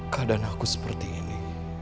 keadaan aku seperti ini